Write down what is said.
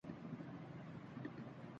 اس واقعے میں ان کو معمولی زخم آئے۔